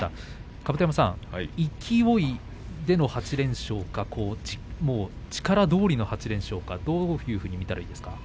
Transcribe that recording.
甲山さん、勢いでの８連勝か力どおりの８連勝かどういうふうに見たらいいですか。